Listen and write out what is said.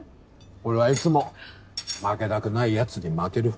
俺はいつも負けたくないヤツに負ける。